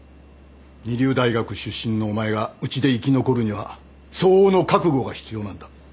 二流大学出身のお前がうちで生き残るには相応の覚悟が必要なんだ。